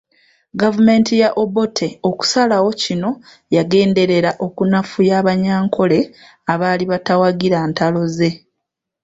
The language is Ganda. Gavumenti ya Obote okusalawo kino yagenderera okunafuya Abanyankole abaali batawagira ntalo ze